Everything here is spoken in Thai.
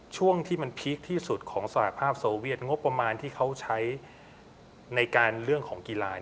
ช่วงที่มันพีคที่สุดของสหภาพโซเวียตงบประมาณที่เขาใช้ในการเรื่องของกีฬา